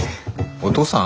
お父さん？